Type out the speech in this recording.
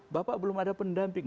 bapak belum ada pendamping